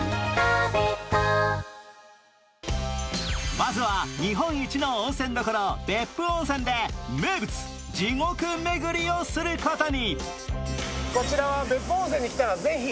まずは日本一の温泉どころ、別府温泉で名物、地獄めぐりをすることに。